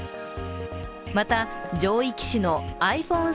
また、上位機種のｉＰｈｏｎｅ１３